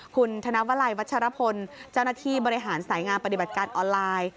คุณธนวลัยวัชรพลเจ้าหน้าที่บริหารสายงานปฏิบัติการออนไลน์